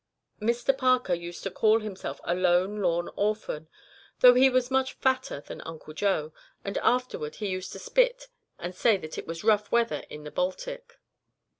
Mr Parker used to call himself a lone, lorn orphan, though he was much fatter than Uncle Joe, and afterward he used to spit and say that it was rough weather in the Baltic.